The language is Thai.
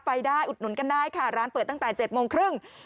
ไปได้อุดหนุนกันได้ค่ะร้านเปิดตั้งแต่๗โมงครึ่ง